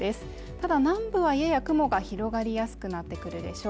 ただ南部はやや雲が広がりやすくなってくるでしょう。